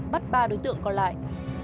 bắt ba đối tượng còn lại